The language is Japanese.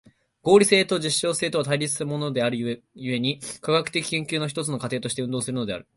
合理性と実証性とは対立するものである故に、科学的研究は一つの過程として運動するのである。